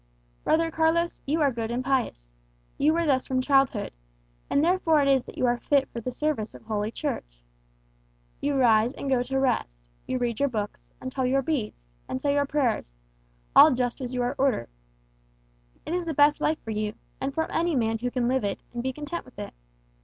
"Brother Carlos, you are good and pious. You were thus from childhood; and therefore it is that you are fit for the service of Holy Church. You rise and go to rest, you read your books, and tell your beads, and say your prayers, all just as you are ordered. It is the best life for you, and for any man who can live it, and be content with it.